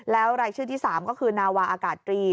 แล้วรายชื่อที่๓ก็คือนาวาอากาศตรี